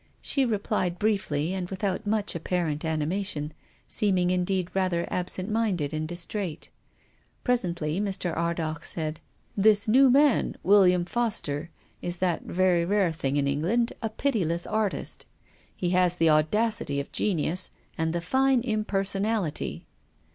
She replied briefly and without much apparent ani mation, seeming indeed rather absent minded and distraite. Presently Mr. Ardagh said, " This new man, William Foster, is that very rare thing in England — a pitiless artist. He has the audacity of genius and the fine impersonality."